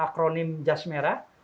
ada akronim jas merah